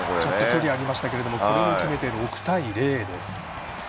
距離ありましたがこれも決めて６対０です。